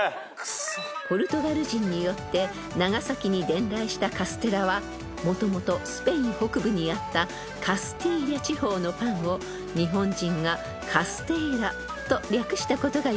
［ポルトガル人によって長崎に伝来したカステラはもともとスペイン北部にあったカスティーリャ地方のパンを日本人が「かすていら」と略したことが由来です］